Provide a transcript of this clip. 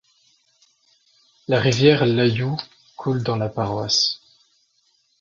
La rivière Layou coule dans la Paroisse.